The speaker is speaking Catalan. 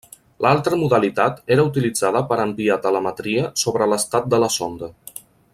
L'altra modalitat era utilitzada per enviar telemetria sobre l'estat de la sonda.